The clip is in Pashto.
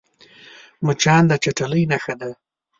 مچان د چټلۍ نښه ده